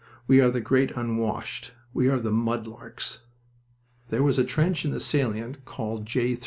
"We are the Great Unwashed. We are the Mud larks." There was a trench in the salient called J.